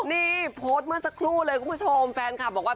พี่เวียลักษมณ์ถามว่า